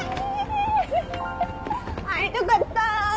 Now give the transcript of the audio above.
会いたかった！